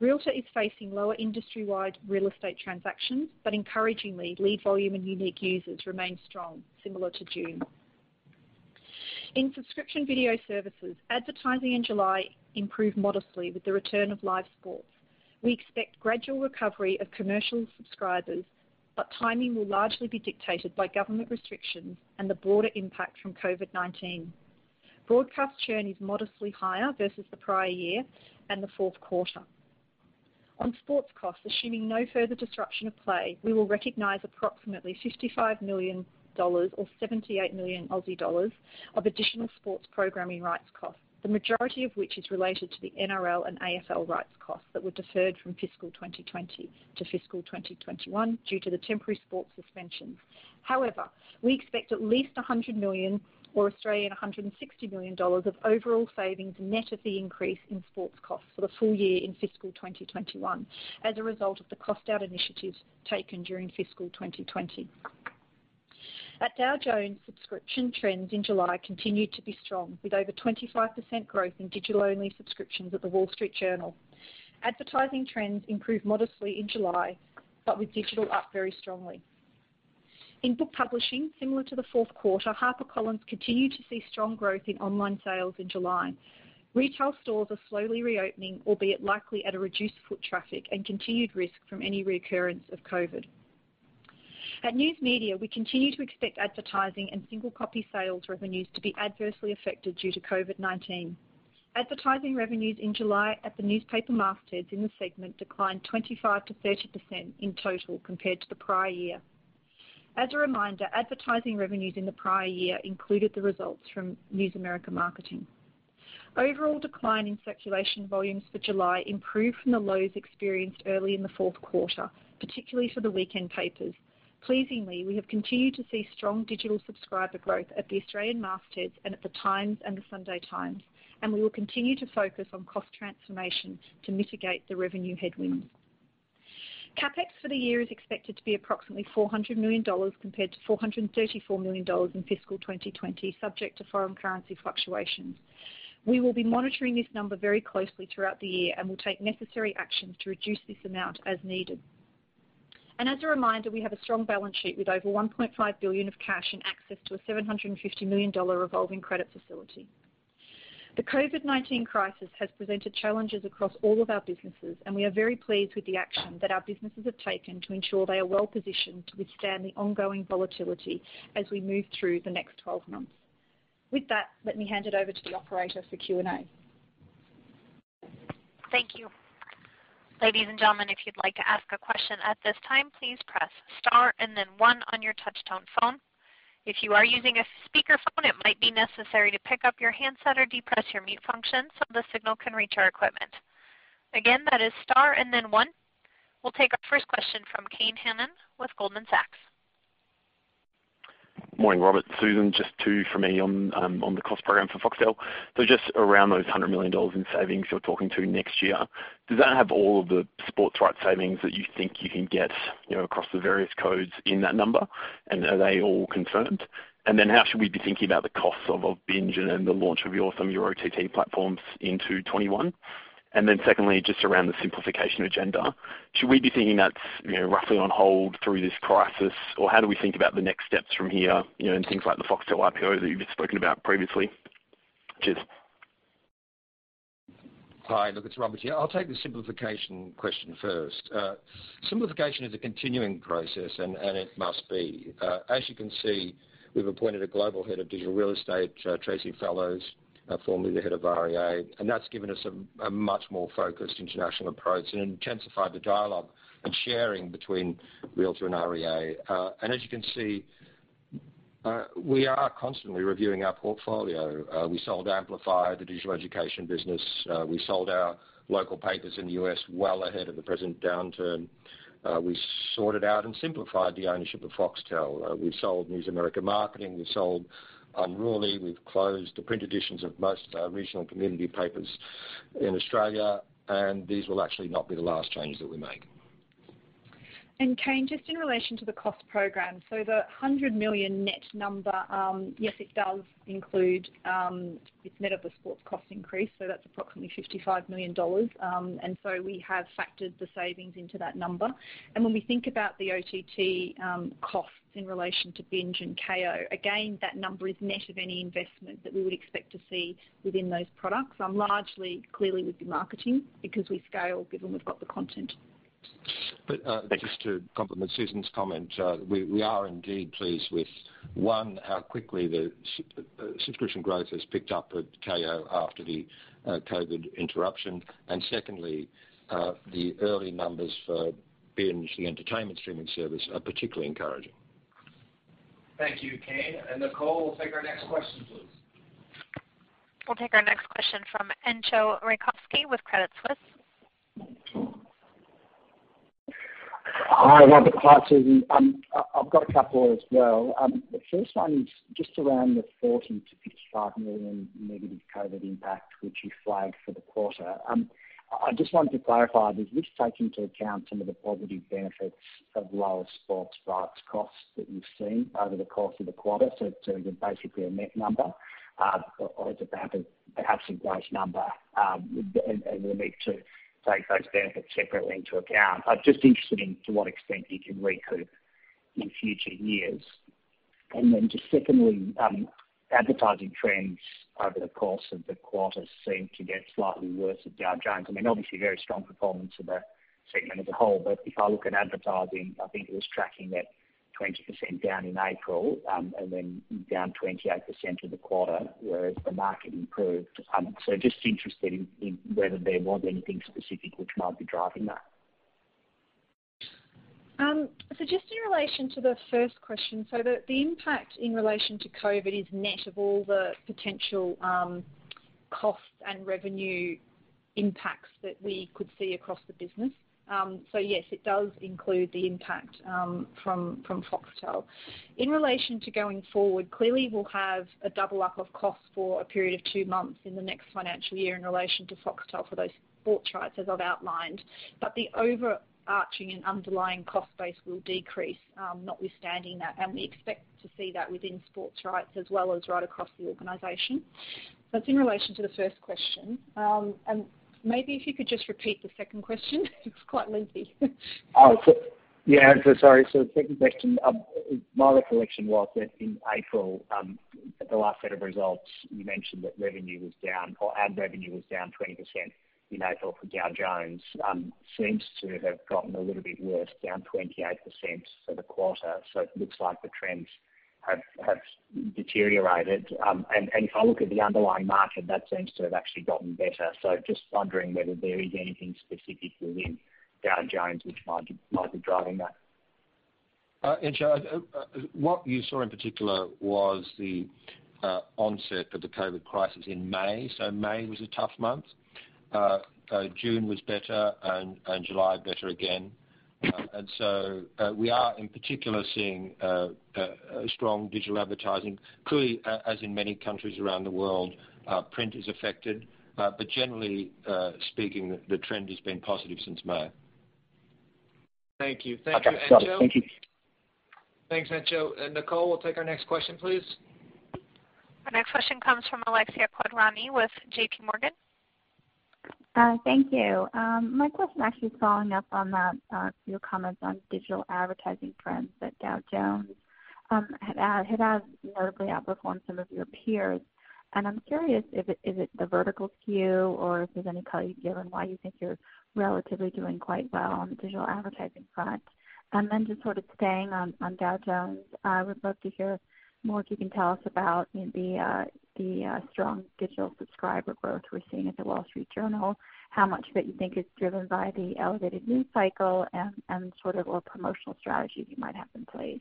realtor is facing lower industry-wide real estate transactions, but encouragingly, lead volume and unique users remain strong, similar to June. In subscription video services, advertising in July improved modestly with the return of live sports. We expect gradual recovery of commercial subscribers, but timing will largely be dictated by government restrictions and the broader impact from COVID-19. Broadcast churn is modestly higher versus the prior year and the fourth quarter. On sports costs, assuming no further disruption of play, we will recognize approximately $55 million or 78 million Aussie dollars of additional sports programming rights costs, the majority of which is related to the NRL and AFL rights costs that were deferred from fiscal 2020 to fiscal 2021 due to the temporary sports suspensions. We expect at least $100 million or 160 million Australian dollars of overall savings net of the increase in sports costs for the full year in fiscal 2021 as a result of the cost-out initiatives taken during fiscal 2020. At Dow Jones, subscription trends in July continued to be strong, with over 25% growth in digital-only subscriptions at The Wall Street Journal. Advertising trends improved modestly in July, but with digital up very strongly. In book publishing, similar to the fourth quarter, HarperCollins continued to see strong growth in online sales in July. Retail stores are slowly reopening, albeit likely at a reduced foot traffic and continued risk from any reoccurrence of COVID-19. At News Media, we continue to expect advertising and single copy sales revenues to be adversely affected due to COVID-19. Advertising revenues in July at the newspaper mastheads in the segment declined 25%-30% in total compared to the prior year. As a reminder, advertising revenues in the prior year included the results from News America Marketing. Overall decline in circulation volumes for July improved from the lows experienced early in the fourth quarter, particularly for the weekend papers. Pleasingly, we have continued to see strong digital subscriber growth at the Australian mastheads and at The Times and The Sunday Times. We will continue to focus on cost transformation to mitigate the revenue headwinds. CapEx for the year is expected to be approximately $400 million compared to $434 million in fiscal 2020, subject to foreign currency fluctuations. We will be monitoring this number very closely throughout the year and will take necessary actions to reduce this amount as needed. As a reminder, we have a strong balance sheet with over $1.5 billion of cash and access to a $750 million revolving credit facility. The COVID-19 crisis has presented challenges across all of our businesses. We are very pleased with the action that our businesses have taken to ensure they are well-positioned to withstand the ongoing volatility as we move through the next 12 months. With that, let me hand it over to the operator for Q&A.
Thank you. Ladies and gentlemen, We'll take our first question from Kane Hannan with Goldman Sachs.
Morning, Robert, Susan, just two from me on the cost program for Foxtel. Just around those $100 million in savings you're talking to next year, does that have all of the sports rights savings that you think you can get across the various codes in that number? Are they all confirmed? How should we be thinking about the costs of BINGE and the launch of your awesome OTT platforms into 2021? Secondly, just around the simplification agenda, should we be thinking that's roughly on hold through this crisis? How do we think about the next steps from here, and things like the Foxtel IPO that you've spoken about previously? Cheers.
Hi. Look, it's Robert here. I'll take the simplification question first. Simplification is a continuing process, and it must be. As you can see, we've appointed a global head of Digital Real Estate, Tracey Fellows, formerly the head of REA, and that's given us a much more focused international approach and intensified the dialogue and sharing between Realtor and REA. As you can see, we are constantly reviewing our portfolio. We sold Amplify, the digital education business. We sold our local papers in the U.S. well ahead of the present downturn. We sorted out and simplified the ownership of Foxtel. We've sold News America Marketing. We've sold Unruly. We've closed the print editions of most regional community papers in Australia, and these will actually not be the last change that we make. Kane, just in relation to the cost program.
The 100 million net number, yes, it does include. It's net of the sports cost increase, so that's approximately 55 million dollars. We have factored the savings into that number. When we think about the OTT costs in relation to Binge and Kayo, again, that number is net of any investment that we would expect to see within those products, largely clearly would be marketing because we scale given we've got the content.
Thanks. Just to complement Susan's comment, we are indeed pleased with, one, how quickly the subscription growth has picked up at Kayo after the COVID interruption, and secondly, the early numbers for BINGE, the entertainment streaming service, are particularly encouraging.
Thank you, Kane. Nicole, we'll take our next question, please. We'll take our next question from Entcho Raykovski with Credit Suisse.
Hi, Robert. Hi, Susan. I've got a couple as well. The first one is just around the 40 million-55 million negative COVID-19 impact, which you flagged for the quarter. I just wanted to clarify, does this take into account some of the positive benefits of lower sports rights costs that you've seen over the course of the quarter, so it's basically a net number? Or is it perhaps a gross number, and we'll need to take those benefits separately into account? I'm just interested in to what extent you can recoup in future years. Then just secondly, advertising trends over the course of the quarter seem to get slightly worse at Dow Jones. I mean, obviously very strong performance in the segment as a whole, but if I look at advertising, I think it was tracking at 20% down in April, and then down 28% for the quarter, whereas the market improved. Just interested in whether there was anything specific which might be driving that?
Just in relation to the first question. The impact in relation to COVID-19 is net of all the potential costs and revenue impacts that we could see across the business. Yes, it does include the impact from Foxtel. In relation to going forward, clearly, we'll have a double up of cost for a period of two months in the next financial year in relation to Foxtel for those sports rights, as I've outlined. The overarching and underlying cost base will decrease notwithstanding that, and we expect to see that within sports rights as well as right across the organization. That's in relation to the first question. Maybe if you could just repeat the second question? It's quite lengthy.
Oh, yeah. Sorry. The second question, my recollection was that in April, at the last set of results, you mentioned that revenue was down, or ad revenue was down 20% in April for Dow Jones. Seems to have gotten a little bit worse, down 28% for the quarter. It looks like the trends have deteriorated. If I look at the underlying market, that seems to have actually gotten better. Just wondering whether there is anything specific within Dow Jones which might be driving that.
Entcho, what you saw in particular was the onset of the COVID crisis in May. May was a tough month. June was better, and July better again. We are, in particular, seeing strong digital advertising. Clearly, as in many countries around the world, print is affected. Generally speaking, the trend has been positive since May.
Thank you.
Okay. Thank you, Entcho. Thank you.
Thanks, Entcho. Nicole, we'll take our next question, please.
Our next question comes from Alexia Quadrani with J.P. Morgan.
Thank you. My question actually is following up on that, your comments on digital advertising trends that Dow Jones had notably outperformed some of your peers. I'm curious, is it the vertical skew, or if there's any color you can give on why you think you're relatively doing quite well on the digital advertising front? Just sort of staying on Dow Jones, I would love to hear more if you can tell us about the strong digital subscriber growth we're seeing at The Wall Street Journal, how much of it you think is driven by the elevated news cycle and sort of what promotional strategies you might have in place.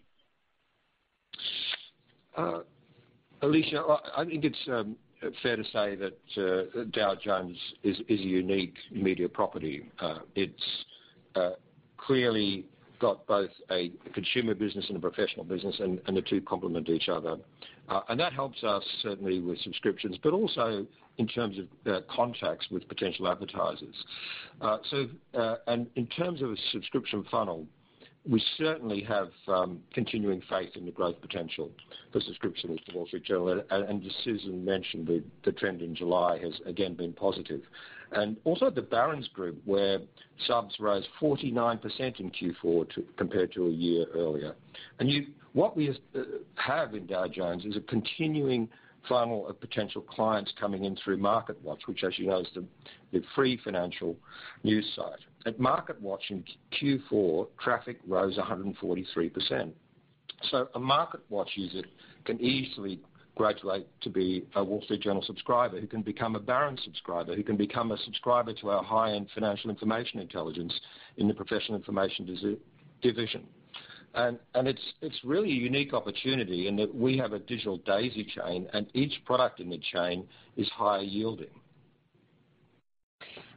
Alexia, I think it's fair to say that Dow Jones is a unique media property. It's clearly got both a consumer business and a professional business, the two complement each other. That helps us certainly with subscriptions, but also in terms of contacts with potential advertisers. In terms of a subscription funnel, we certainly have continuing faith in the growth potential for subscriptions to Wall Street Journal. As Susan mentioned, the trend in July has again been positive. Also at the Barron's Group, where subs rose 49% in Q4 compared to a year earlier. What we have in Dow Jones is a continuing funnel of potential clients coming in through MarketWatch, which as you know, is the free financial news site. At MarketWatch, in Q4, traffic rose 143%. A MarketWatch user can easily graduate to be a Wall Street Journal subscriber, who can become a Barron's subscriber, who can become a subscriber to our high-end financial information intelligence in the Professional Information Division. It's really a unique opportunity in that we have a digital daisy chain, and each product in the chain is higher yielding.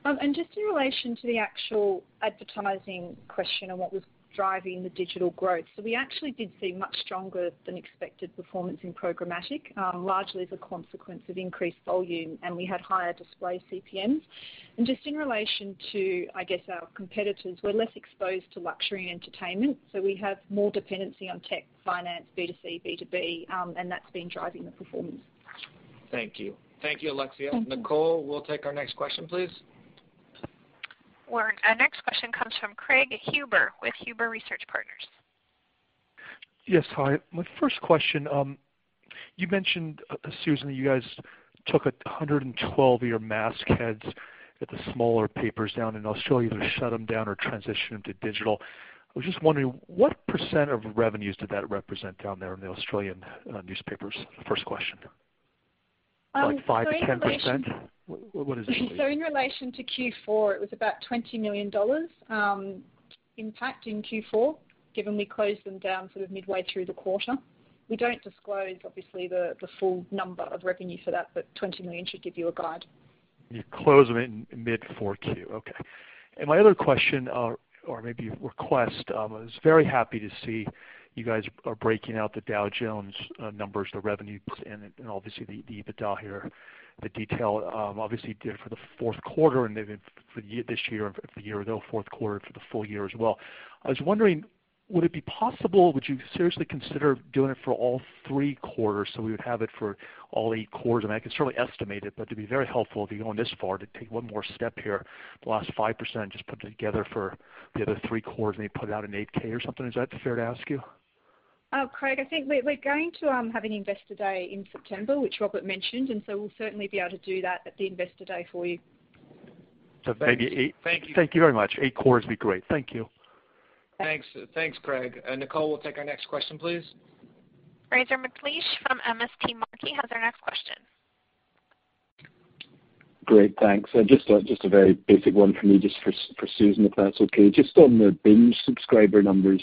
Just in relation to the actual advertising question on what was driving the digital growth. We actually did see much stronger than expected performance in programmatic, largely as a consequence of increased volume, and we had higher display CPMs. Just in relation to, I guess, our competitors, we're less exposed to luxury and entertainment, so we have more dependency on tech, finance, B2C, B2B, and that's been driving the performance.
Thank you. Thank you, Alexia.
Thank you.
Nicole, we'll take our next question, please.
Our next question comes from Craig Huber with Huber Research Partners.
Yes. Hi. My first question, you mentioned, Susan Panuccio, you guys took 112 of your mastheads at the smaller papers down in Australia to shut them down or transition them to digital. I was just wondering, what percent of revenues did that represent down there in the Australian newspapers? First question. Like 5%-10%? What is it roughly?
In relation to Q4, it was about 20 million dollars impact in Q4, given we closed them down sort of midway through the quarter. We don't disclose, obviously, the full number of revenue for that, but 20 million should give you a guide.
You closed them in mid-4Q. Okay. My other question, or maybe request, I was very happy to see you guys are breaking out the Dow Jones numbers, the revenues, and obviously the EBITDA here, the detail. Obviously, you did it for the fourth quarter, and then for this year, for the year though, fourth quarter, and for the full year as well. I was wondering, would it be possible, would you seriously consider doing it for all three quarters, so we would have it for all eight quarters? I mean, I can certainly estimate it, but it'd be very helpful if you're going this far to take one more step here, the last 5%, and just put it together for the other three quarters, maybe put it out in 8-K or something. Is that fair to ask you?
Craig, I think we're going to have an Investor Day in September, which Robert mentioned, and so we'll certainly be able to do that at the Investor Day for you.
So maybe eight-
Thank you.
Thank you very much. Eight quarters would be great. Thank you.
Thanks. Thanks, Craig. Nicole, we'll take our next question, please.
Fraser McLeish from MST Marquee has our next question.
Great, thanks. A very basic one from me, just for Susan, if that's okay. On the BINGE subscriber numbers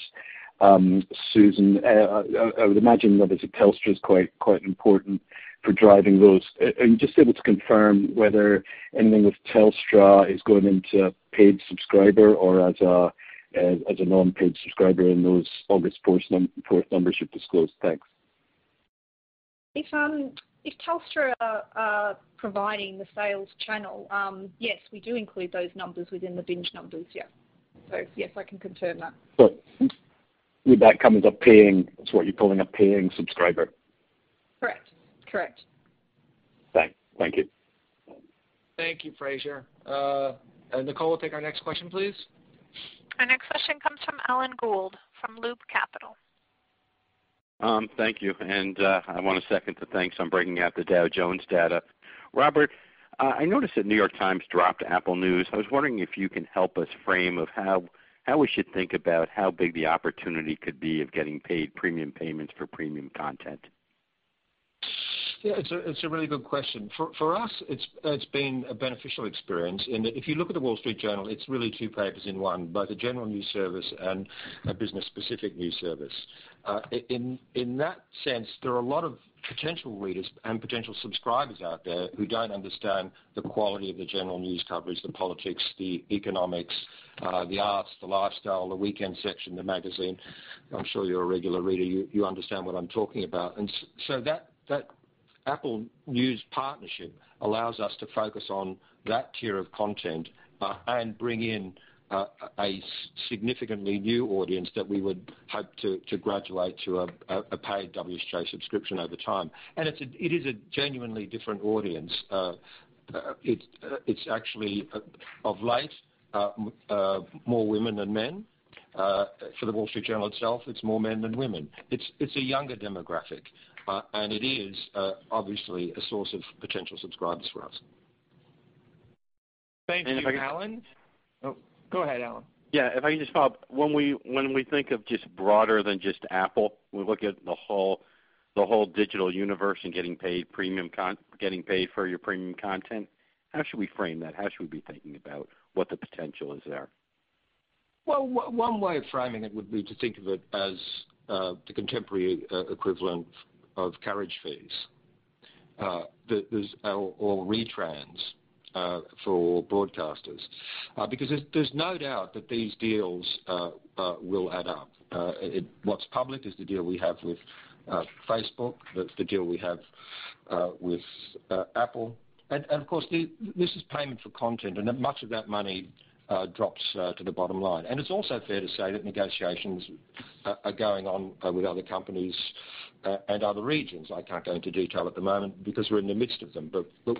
Susan, I would imagine that as a Telstra is quite important for driving those. Able to confirm whether anything with Telstra is going into paid subscriber or as a non-paid subscriber in those August quarter numbers you've disclosed. Thanks.
If Telstra are providing the sales channel, yes, we do include those numbers within the Binge numbers. Yes, I can confirm that.
Good. With that comes what you're calling a paying subscriber.
Correct.
Thanks. Thank you.
Thank you, Fraser. Nicole will take our next question, please.
Our next question comes from Alan Gould from Loop Capital.
Thank you. I want a second to thanks on breaking out the Dow Jones data. Robert, I noticed that New York Times dropped Apple News. I was wondering if you can help us frame of how we should think about how big the opportunity could be of getting paid premium payments for premium content.
Yeah, it's a really good question. For us, it's been a beneficial experience in that if you look at The Wall Street Journal, it's really two papers in one, both a general news service and a business-specific news service. In that sense, there are a lot of potential readers and potential subscribers out there who don't understand the quality of the general news coverage, the politics, the economics, the arts, the lifestyle, the weekend section, the magazine. I'm sure you're a regular reader. You understand what I'm talking about. That Apple News partnership allows us to focus on that tier of content, and bring in a significantly new audience that we would hope to graduate to a paid WSJ subscription over time. It is a genuinely different audience. It's actually, of late, more women than men. For The Wall Street Journal itself, it's more men than women. It's a younger demographic. It is, obviously, a source of potential subscribers for us.
Thank you, Alan. Oh, go ahead, Alan.
Yeah, if I can just follow up. When we think of just broader than just Apple, we look at the whole digital universe and getting paid for your premium content. How should we frame that? How should we be thinking about what the potential is there?
One way of framing it would be to think of it as the contemporary equivalent of carriage fees. There's retrans for broadcasters. There's no doubt that these deals will add up. What's public is the deal we have with Facebook, the deal we have with Apple. Of course, this is payment for content, and much of that money drops to the bottom line. It's also fair to say that negotiations are going on with other companies, and other regions. I can't go into detail at the moment because we're in the midst of them.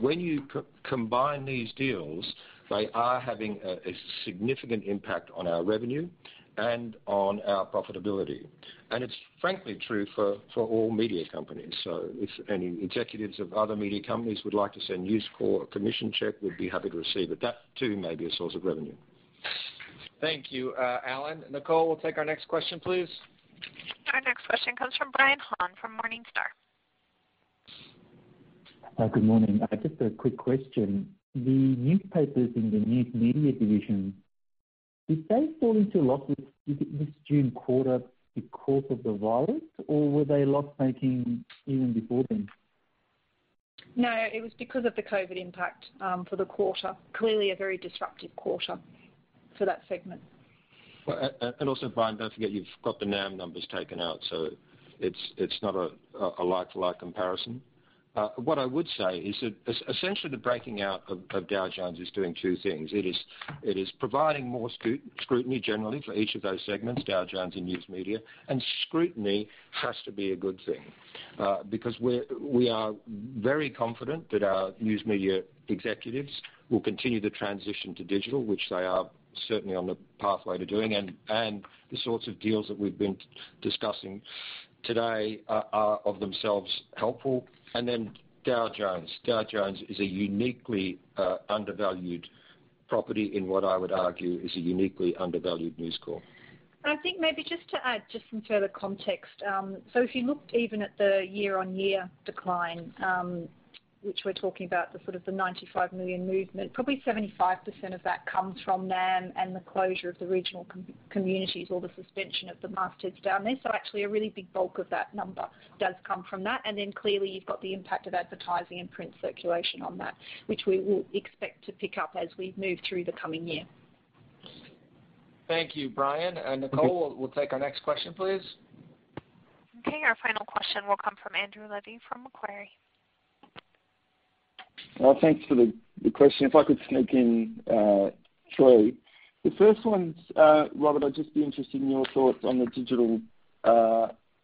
When you combine these deals, they are having a significant impact on our revenue and on our profitability. It's frankly true for all media companies. If any executives of other media companies would like to send News Corp a commission check, we'd be happy to receive it. That too may be a source of revenue.
Thank you, Alan. Nicole, we'll take our next question, please.
Our next question comes from Brian Han from Morningstar.
Good morning. Just a quick question. The newspapers in the News Media division, did they fall into a loss this June quarter because of the virus or were they loss-making even before then?
No, it was because of the COVID impact for the quarter. Clearly a very disruptive quarter for that segment.
Also, Brian, don't forget, you've got the NAM numbers taken out, so it's not a like-to-like comparison. What I would say is that essentially the breaking out of Dow Jones is doing two things. It is providing more scrutiny generally for each of those segments, Dow Jones and News Media. Scrutiny has to be a good thing. We are very confident that our News Media executives will continue to transition to digital, which they are certainly on the pathway to doing. The sorts of deals that we've been discussing today are of themselves helpful. Dow Jones. Dow Jones is a uniquely undervalued property in what I would argue is a uniquely undervalued News Corp.
I think maybe just to add just some further context. If you looked even at the year-over-year decline, which we're talking about, the sort of the 95 million movement, probably 75% of that comes from NAM and the closure of the regional communities or the suspension of the mastheads down there. Actually a really big bulk of that number does come from that. Then clearly you've got the impact of advertising and print circulation on that, which we will expect to pick up as we move through the coming year.
Thank you, Brian. Nicole, we'll take our next question, please.
Okay, our final question will come from Andrew Levi from Macquarie.
Thanks for the question. If I could sneak in three. The first one, Robert, I'd just be interested in your thoughts on the digital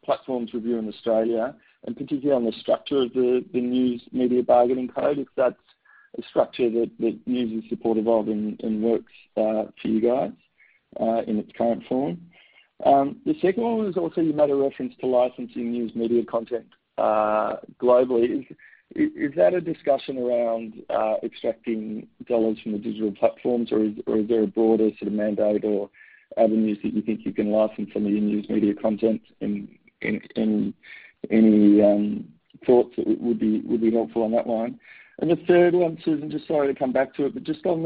platforms review in Australia, and particularly on the structure of the News Media Bargaining Code, if that's a structure that News is supportive of and works for you guys in its current form. The second one is also you made a reference to licensing News Media content globally. Is that a discussion around extracting dollars from the digital platforms or is there a broader sort of mandate or avenues that you think you can license some of your News Media content in extending any thoughts that would be helpful on that one? The third one, Susan, sorry to come back to it, on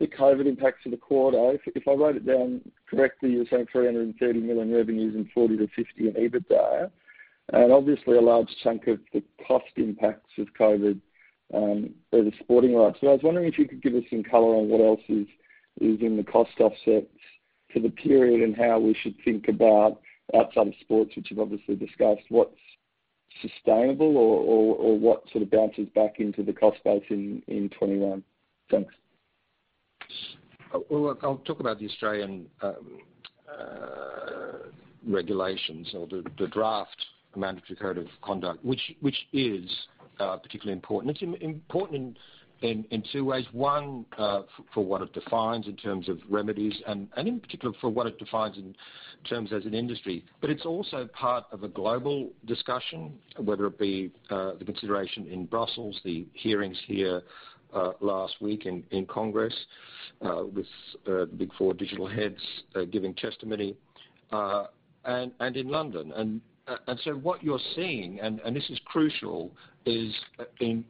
the COVID impacts of the quarter, if I wrote it down correctly, you're saying $330 million revenue and $40 million to $50 million in EBITDA. Obviously a large chunk of the cost impacts of COVID are the sporting rights. I was wondering if you could give us some color on what else is in the cost offsets for the period and how we should think about outside of sports, which you've obviously discussed, what's sustainable or what sort of bounces back into the cost base in 2021? Thanks.
Well, look, I'll talk about the Australian regulations or the Draft Mandatory Code of Conduct, which is particularly important. It's important in two ways. One, for what it defines in terms of remedies and in particular for what it defines in terms as an industry. It's also part of a global discussion, whether it be the consideration in Brussels, the hearings here last week in Congress with the Big Four digital heads giving testimony, and in London. What you're seeing, and this is crucial, is an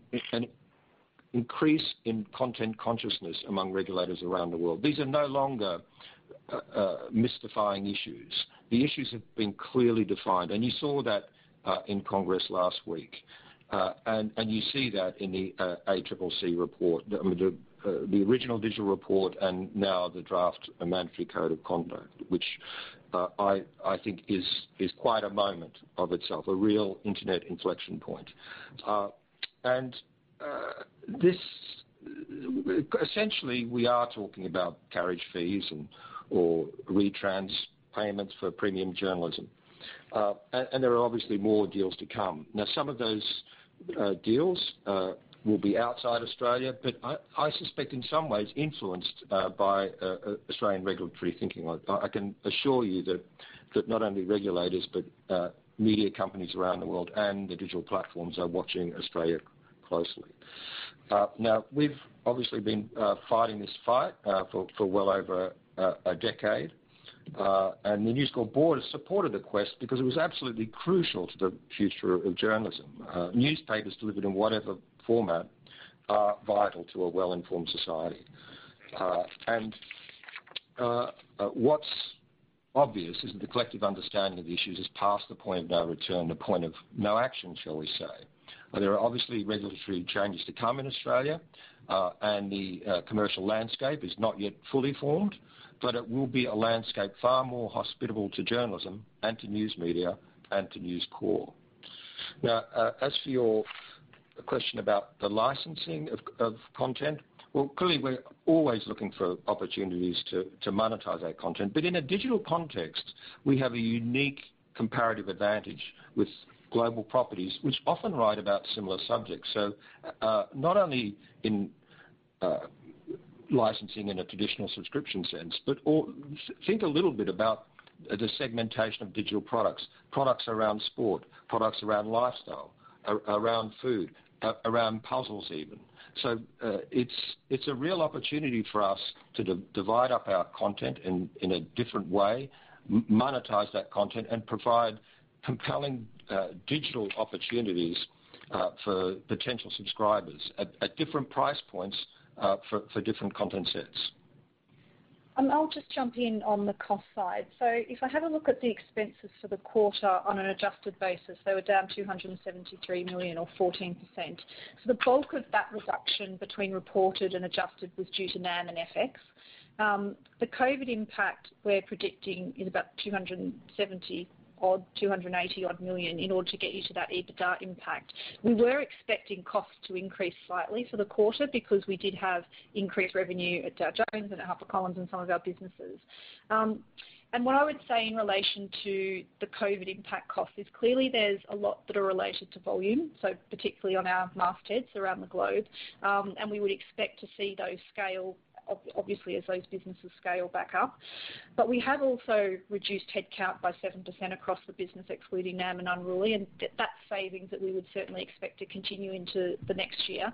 increase in content consciousness among regulators around the world. These are no longer mystifying issues. The issues have been clearly defined, and you saw that in Congress last week. You see that in the ACCC report, I mean, the original digital report, and now the draft, a mandatory code of conduct, which I think is quite a moment of itself, a real internet inflection point. Essentially, we are talking about carriage fees or retrans payments for premium journalism. There are obviously more deals to come. Some of those deals will be outside Australia, but I suspect in some ways influenced by Australian regulatory thinking. I can assure you that not only regulators, but media companies around the world and the digital platforms are watching Australia closely. We've obviously been fighting this fight for well over a decade. The News Corp board has supported the quest because it was absolutely crucial to the future of journalism. Newspapers delivered in whatever format are vital to a well-informed society. What's obvious is that the collective understanding of the issues is past the point of no return, the point of no action, shall we say. There are obviously regulatory changes to come in Australia. The commercial landscape is not yet fully formed, but it will be a landscape far more hospitable to journalism and to news media and to News Corp. As for your question about the licensing of content, well, clearly we're always looking for opportunities to monetize our content. In a digital context, we have a unique comparative advantage with global properties, which often write about similar subjects. Not only in licensing in a traditional subscription sense, but think a little bit about the segmentation of digital products around sport, products around lifestyle, around food, around puzzles even. It's a real opportunity for us to divide up our content in a different way, monetize that content, and provide compelling digital opportunities for potential subscribers at different price points for different content sets.
I'll just jump in on the cost side. If I have a look at the expenses for the quarter on an adjusted basis, they were down 273 million or 14%. The bulk of that reduction between reported and adjusted was due to NAM and FX. The COVID-19 impact we're predicting is about 270-odd, 280-odd million in order to get you to that EBITDA impact. We were expecting costs to increase slightly for the quarter because we did have increased revenue at Dow Jones and at HarperCollins and some of our businesses. What I would say in relation to the COVID-19 impact cost is clearly there's a lot that are related to volume, so particularly on our mastheads around the globe. We would expect to see those scale obviously as those businesses scale back up. We have also reduced headcount by 7% across the business, excluding NAM and Unruly, and that's savings that we would certainly expect to continue into the next year.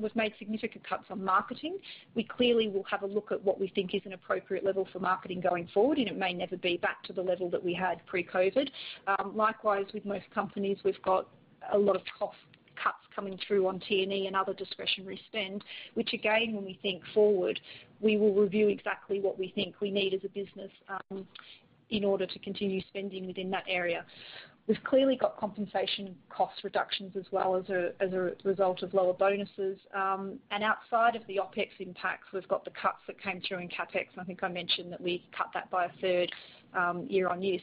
We've made significant cuts on marketing. We clearly will have a look at what we think is an appropriate level for marketing going forward, and it may never be back to the level that we had pre-COVID. Likewise, with most companies, we've got a lot of cost cuts coming through on T&E and other discretionary spend, which again, when we think forward, we will review exactly what we think we need as a business in order to continue spending within that area. We've clearly got compensation cost reductions as well as a result of lower bonuses. Outside of the OpEx impacts, we've got the cuts that came through in CapEx, and I think I mentioned that we cut that by a third year-over-year.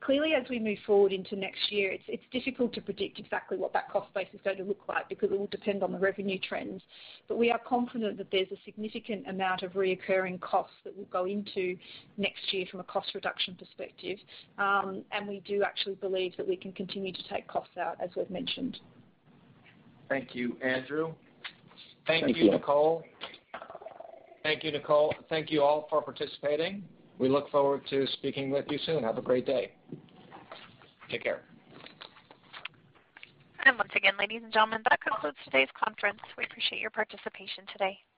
Clearly, as we move forward into next year, it's difficult to predict exactly what that cost base is going to look like because it will depend on the revenue trends. We are confident that there's a significant amount of recurring costs that will go into next year from a cost reduction perspective. We do actually believe that we can continue to take costs out, as we've mentioned.
Thank you, Andrew.
Thank you.
Thank you, Nicole. Thank you, Nicole. Thank you all for participating. We look forward to speaking with you soon. Have a great day. Take care.
Once again, ladies and gentlemen, that concludes today's conference. We appreciate your participation today.